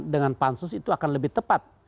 dengan pansus itu akan lebih tepat